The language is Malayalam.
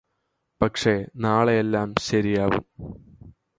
പക്ഷെ നാളെയെല്ലാം ശരിയാവും